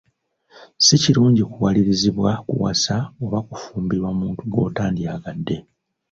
Si kirungi kuwalirizibwa kuwasa oba kufumbirwa muntu gw'otandyagadde.